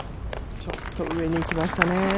ちょっと上にいきましたね。